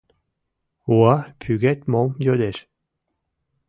Уа пӱгет мом йодеш?